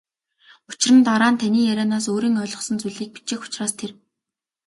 Учир нь дараа нь таны ярианаас өөрийн ойлгосон зүйлийг бичих учраас тэр.